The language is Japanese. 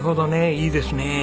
いいですねえ。